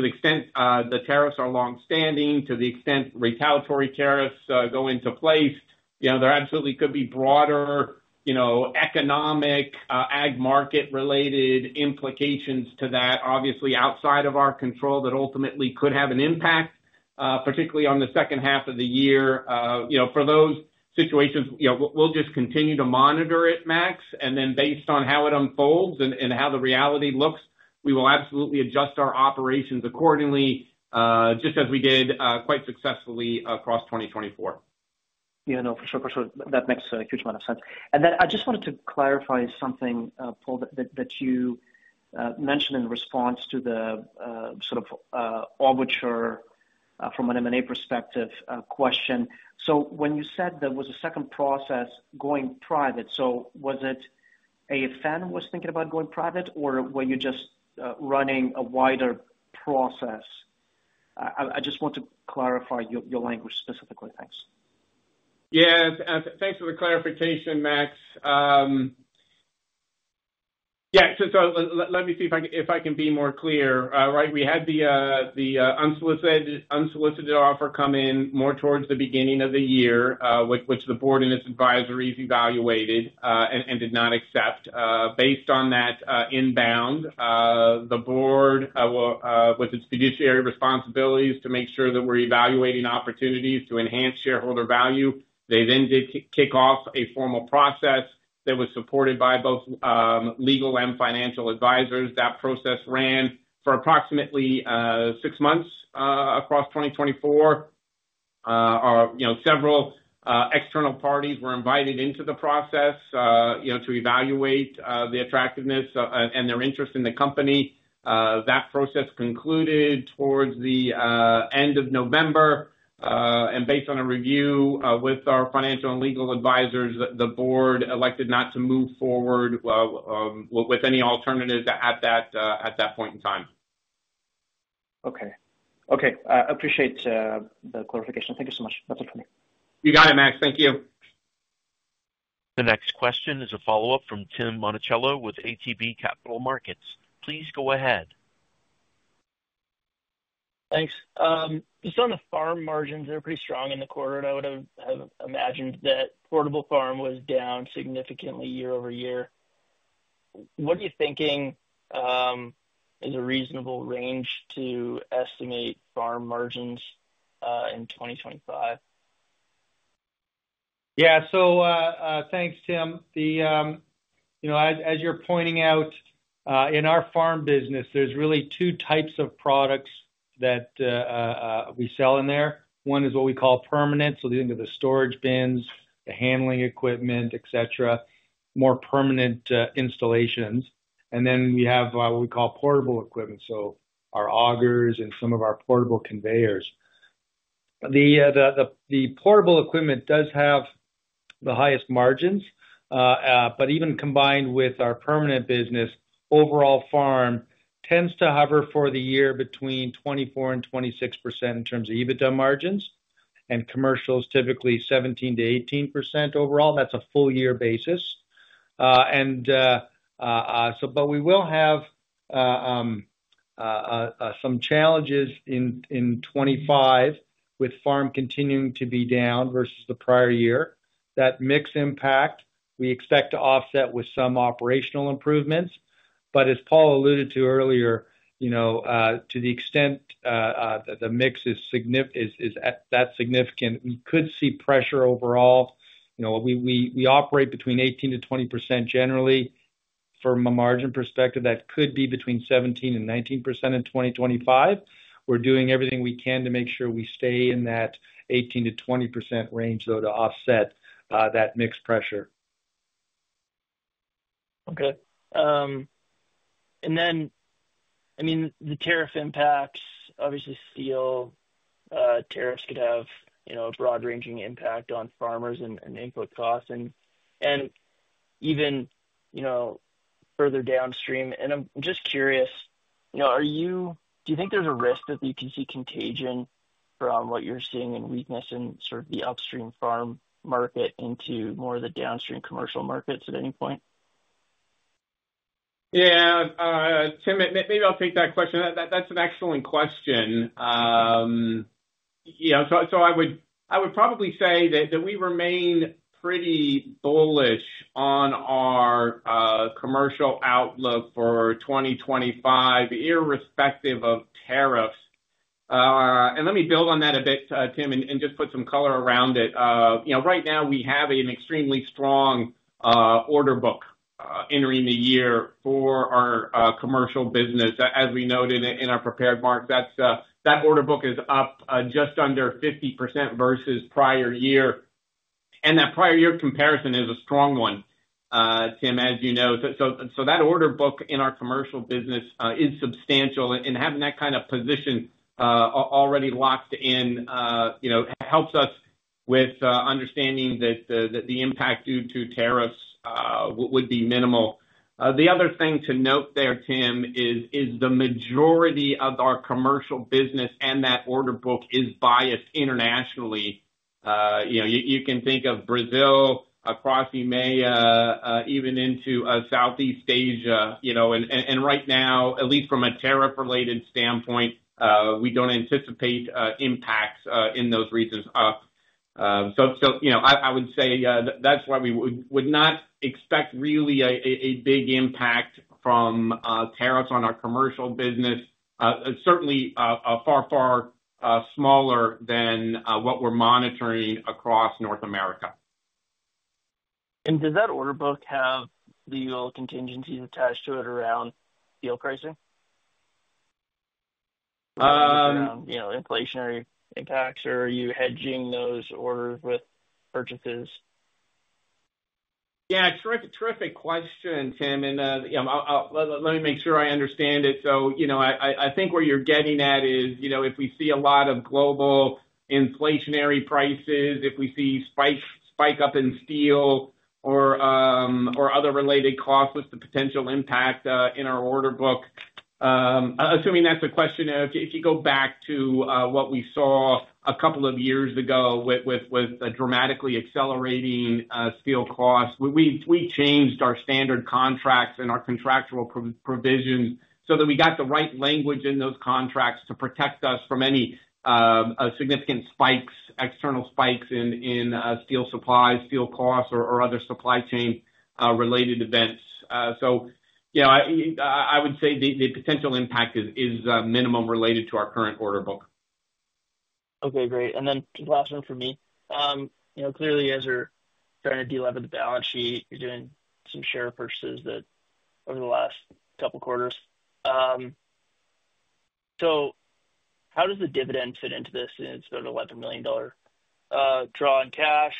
the extent the tariffs are longstanding, to the extent retaliatory tariffs go into place, there absolutely could be broader economic ag market-related implications to that, obviously outside of our control that ultimately could have an impact, particularly on the second half of the year. For those situations, we'll just continue to monitor it, Max. Based on how it unfolds and how the reality looks, we will absolutely adjust our operations accordingly, just as we did quite successfully across 2024. Yeah, no, for sure, for sure. That makes a huge amount of sense. I just wanted to clarify something, Paul, that you mentioned in response to the sort of arbitrary, from an M&A perspective, question. When you said there was a second process going private, was it AGI was thinking about going private, or were you just running a wider process? I just want to clarify your language specifically. Thanks. Yeah. Thanks for the clarification, Max. Yeah. Let me see if I can be more clear. Right. We had the unsolicited offer come in more towards the beginning of the year, which the board and its advisories evaluated and did not accept. Based on that inbound, the board, with its fiduciary responsibilities, to make sure that we're evaluating opportunities to enhance shareholder value, they then did kick off a formal process that was supported by both legal and financial advisors. That process ran for approximately six months across 2024. Several external parties were invited into the process to evaluate the attractiveness and their interest in the company. That process concluded towards the end of November. Based on a review with our financial and legal advisors, the board elected not to move forward with any alternatives at that point in time. Okay. Okay. I appreciate the clarification. Thank you so much. That's it for me. You got it, Max. Thank you. The next question is a follow-up from Tim Monticello with ATB Capital Markets. Please go ahead. Thanks. Just on the farm margins, they're pretty strong in the quarter. I would have imagined that portable farm was down significantly year over year. What are you thinking is a reasonable range to estimate farm margins in 2025? Yeah. Thanks, Tim. As you're pointing out, in our farm business, there's really two types of products that we sell in there. One is what we call permanent. You think of the storage bins, the handling equipment, etc., more permanent installations. Then we have what we call portable equipment, so our augers and some of our portable conveyors. The portable equipment does have the highest margins. Even combined with our permanent business, overall farm tends to hover for the year between 24-26% in terms of EBITDA margins. Commercials, typically 17-18% overall. That's a full-year basis. We will have some challenges in 2025 with farm continuing to be down versus the prior year. That mix impact, we expect to offset with some operational improvements. As Paul alluded to earlier, to the extent that the mix is that significant, we could see pressure overall. We operate between 18%-20% generally. From a margin perspective, that could be between 17%-19% in 2025. We're doing everything we can to make sure we stay in that 18%-20% range, though, to offset that mixed pressure. Okay. I mean, the tariff impacts, obviously, steel tariffs could have a broad-ranging impact on farmers and input costs and even further downstream. I'm just curious, do you think there's a risk that you can see contagion from what you're seeing in weakness in sort of the upstream farm market into more of the downstream commercial markets at any point? Yeah. Tim, maybe I'll take that question. That's an excellent question. I would probably say that we remain pretty bullish on our commercial outlook for 2025, irrespective of tariffs. Let me build on that a bit, Tim, and just put some color around it. Right now, we have an extremely strong order book entering the year for our commercial business, as we noted in our prepared marks. That order book is up just under 50% versus prior year. That prior year comparison is a strong one, Tim, as you know. That order book in our commercial business is substantial. Having that kind of position already locked in helps us with understanding that the impact due to tariffs would be minimal. The other thing to note there, Tim, is the majority of our commercial business and that order book is biased internationally. You can think of Brazil, across EMEA, even into Southeast Asia. Right now, at least from a tariff-related standpoint, we do not anticipate impacts in those regions. I would say that is why we would not expect really a big impact from tariffs on our commercial business, certainly far, far smaller than what we are monitoring across North America. Does that order book have legal contingencies attached to it around steel pricing? Yeah. Inflationary impacts, or are you hedging those orders with purchases? Yeah. Terrific question, Tim. Let me make sure I understand it. I think where you're getting at is if we see a lot of global inflationary prices, if we see a spike up in steel or other related costs with the potential impact in our order book, assuming that's a question of if you go back to what we saw a couple of years ago with dramatically accelerating steel costs, we changed our standard contracts and our contractual provisions so that we got the right language in those contracts to protect us from any significant spikes, external spikes in steel supplies, steel costs, or other supply chain-related events. I would say the potential impact is minimum related to our current order book. Okay. Great. Last one for me. Clearly, as you're trying to deleverage the balance sheet, you're doing some share purchases over the last couple of quarters. How does the dividend fit into this in its $11 million draw on cash?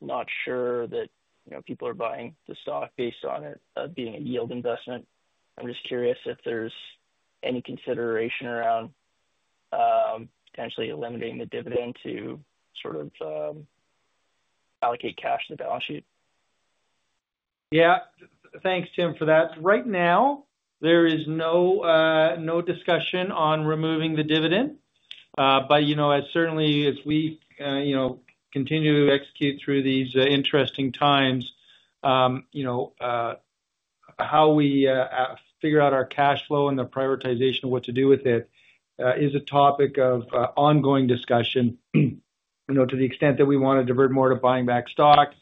Not sure that people are buying the stock based on it being a yield investment. I'm just curious if there's any consideration around potentially eliminating the dividend to sort of allocate cash to the balance sheet. Yeah. Thanks, Tim, for that. Right now, there is no discussion on removing the dividend. Certainly, as we continue to execute through these interesting times, how we figure out our cash flow and the prioritization of what to do with it is a topic of ongoing discussion. To the extent that we want to divert more to buying back stock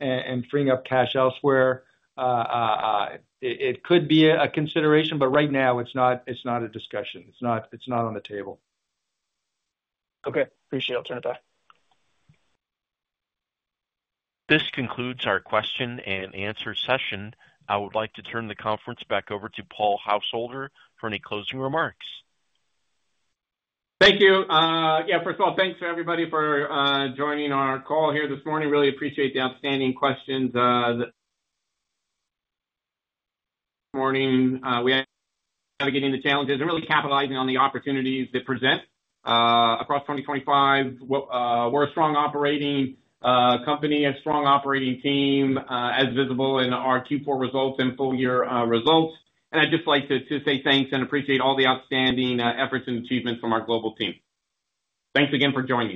and freeing up cash elsewhere, it could be a consideration. Right now, it's not a discussion. It's not on the table. Okay. Appreciate it. I'll turn it back. This concludes our question and answer session. I would like to turn the conference back over to Paul Householder for any closing remarks. Thank you. Yeah. First of all, thanks for everybody for joining our call here this morning. Really appreciate the outstanding questions. Morning. We are navigating the challenges and really capitalizing on the opportunities that present across 2025. We are a strong operating company, a strong operating team, as visible in our Q4 results and full-year results. I would just like to say thanks and appreciate all the outstanding efforts and achievements from our global team. Thanks again for joining.